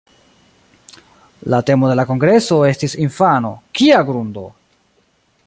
La temo de la kongreso estis "Infano: kia grundo!".